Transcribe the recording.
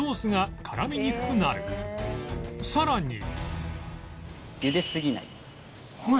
さらに